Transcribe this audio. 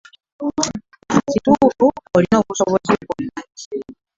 Kituufu olina obusobozi bwonna.